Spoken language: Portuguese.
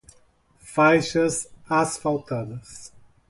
Faixas asfaltadas